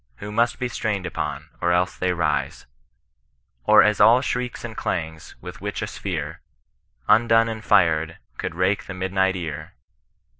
Who must be strained upon, or else they rise ;Or as all shrieks and clangs; with which a sphere Undone and fired, could rake the midni^t ear.